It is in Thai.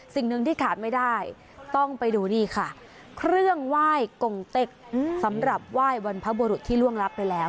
สิ่งหนึ่งที่ขาดไม่ได้ต้องไปดูนี่ค่ะเครื่องไหว้กงเต็กสำหรับไหว้บรรพบุรุษที่ล่วงรับไปแล้ว